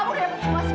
kamu pergi dari sini